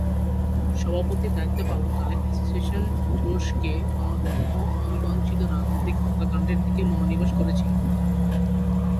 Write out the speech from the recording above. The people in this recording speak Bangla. সভাপতির দায়িত্ব পালনকালে, অ্যাসোসিয়েশন তুরস্কে ক্রমবর্ধমান অমীমাংসিত রাজনৈতিক হত্যাকাণ্ডের দিকে মনোনিবেশ করেছিল।